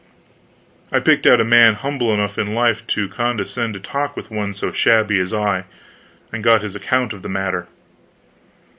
I picked out a man humble enough in life to condescend to talk with one so shabby as I, and got his account of the matter.